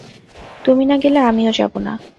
তুমি না গেলে আমিও যাবো না।